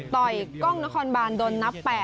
กล้องนครบานโดนนับ๘